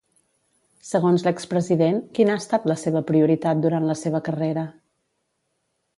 Segons l'expresident, quina ha estat la seva prioritat durant la seva carrera?